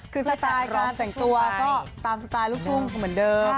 คือสไตล์การแต่งตัวก็ตามสไตล์ลูกทุ่งเหมือนเดิม